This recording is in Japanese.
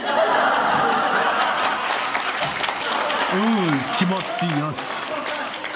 んー、気持ちよし。